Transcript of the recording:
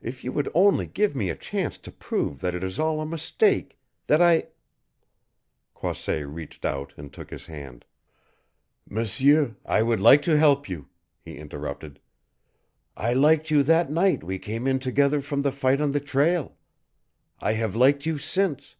If you would only give me a chance to prove that it is all a mistake that I " Croisset reached out and took his hand. "M'seur, I would like to help you," he interrupted. "I liked you that night we came in together from the fight on the trail. I have liked you since.